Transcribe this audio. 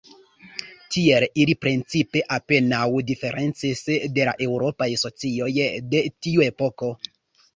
Tiel, ili principe apenaŭ diferencis de la eŭropaj socioj de tiu epoko.